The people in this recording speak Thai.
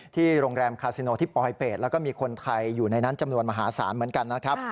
โรงแรมคาซิโนที่ปลอยเป็ดแล้วก็มีคนไทยอยู่ในนั้นจำนวนมหาศาลเหมือนกันนะครับ